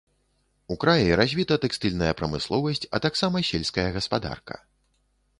У краі развіта тэкстыльная прамысловасць, а таксама сельская гаспадарка.